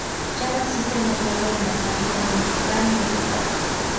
Ya no existe ni el pueblo de Mercadillo, ni el hospital, ni el mercado.